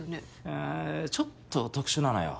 あぁちょっと特殊なのよ。